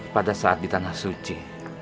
pada saat di tanah suci